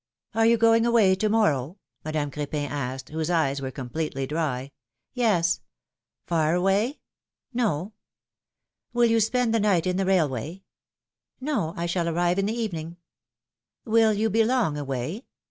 ^^Are you going away to morrow?" Madame Cr^pin asked, whose eyes were completely dry. Yes." Far away ?" Will you spend the night in the railway?" '^No, I shall arrive in the evening." Will you be long away